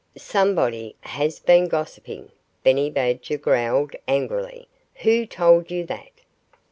"Somebody has been gossiping!" Benny Badger growled angrily. "Who told you that?"